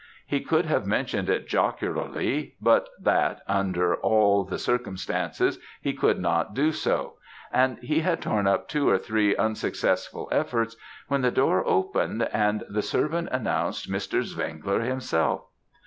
He could have mentioned it jocularly; but that, under all the circumstances, he could not do so; and he had torn up two or three unsuccessful efforts, when the door opened, and the servant announced Mr. Zwengler himself.